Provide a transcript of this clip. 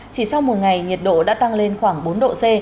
chỉ sau một ngày nhiệt độ đã tăng lên khoảng bốn độ c